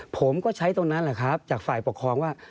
ผมก็ใช้ตรงนั้นแหละครับจากฝ่ายปกครองว่า